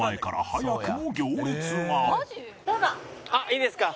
いいですか？